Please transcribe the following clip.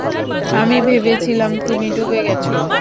আমি ভেবেছিলাম, তুমি ডুবে গেছ!